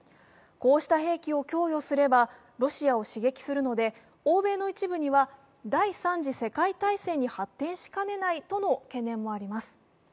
こうした兵器を供与すればロシアを刺激するので欧米の一部では第三次世界大戦に発展しかねないとの懸念もあります。